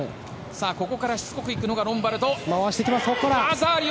ここからしつこく行くのがロンバルド。